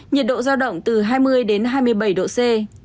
nhiệt độ giao động từ hai mươi đến hai mươi bảy độ c